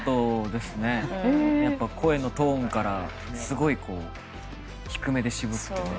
やっぱり声のトーンからすごい低めで渋くて。